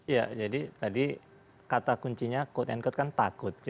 ya jadi tadi kata kuncinya quote unquote kan takut